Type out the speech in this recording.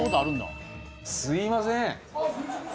すいません。